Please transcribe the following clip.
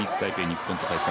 日本と対戦。